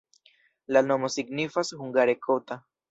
La nomo signifas hungare kota.